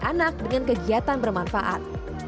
anak dengan kegiatan bermanfaat